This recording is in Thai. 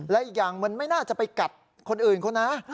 และอีกอย่างมันไม่น่าจะไปกัดคนอื่นเขานะ